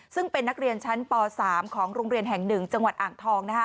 ซึ่งเป็นนักเรียนชั้นป๓ของโรงเรียนแห่ง๑จังหวัดอ่างทอง